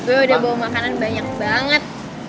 gue udah bawa makanan banyak banget